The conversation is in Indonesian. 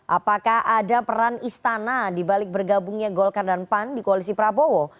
apakah ada peran istana dibalik bergabungnya golkar dan pan di koalisi prabowo